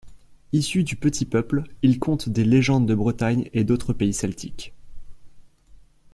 Issu du petit peuple, il conte des légendes de Bretagne et d'autres pays celtiques.